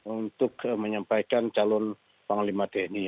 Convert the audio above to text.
untuk menyampaikan calon panglima tni